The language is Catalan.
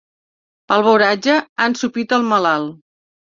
El beuratge ha ensopit el malalt.